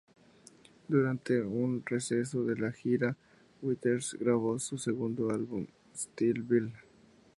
Durante un receso de la gira, Withers grabó su segundo álbum, "Still Bill".